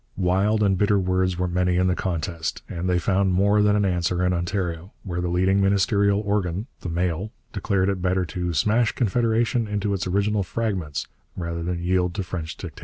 Wild and bitter words were many in the contest, and they found more than an answer in Ontario, where the leading ministerial organ, the Mail, declared it better to 'smash Confederation into its original fragments' rather than yield to French dictation.